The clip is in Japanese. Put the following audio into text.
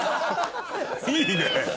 いいね！